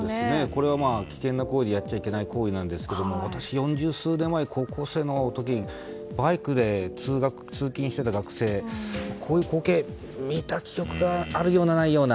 これは危険な行為でやっちゃいけない行為なんですけど私、四十数年前、高校生の時バイクで通学していた学生こういう光景を見た記憶があるような、ないような。